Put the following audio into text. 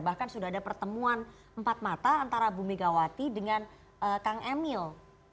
bahkan sudah ada pertemuan empat mata antara bu megawati dengan kang emil